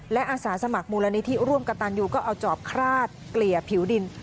และอาสาสมัครมูลนิธิร่วมกับตันยูก็เอาจอบคราดเกลี่ยผิวดิน